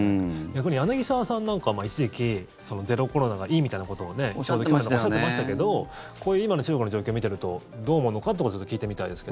逆に柳澤さんなんかは一時期ゼロコロナがいいみたいなことをおっしゃっていましたけどこういう今の中国の状況を見ているとどう思うのかということをちょっと聞いてみたいです。